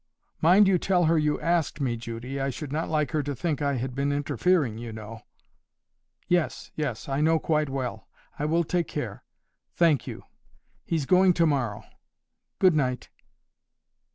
"Mind you tell her you asked me, Judy. I should not like her to think I had been interfering, you know." "Yes, yes; I know quite well. I will take care. Thank you. He's going to morrow. Good night."